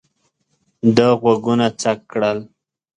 ده غوږونه څک کړل.